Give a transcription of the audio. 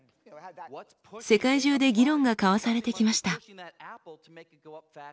世界中で議論が交わされてきました。